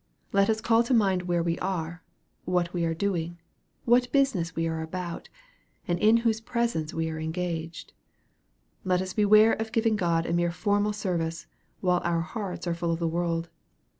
Let us call to mind where we are what we are doing what business we are about and in whose presence we are engaged. Let us beware of giving God a mere formal service, while our hearts are full of the world.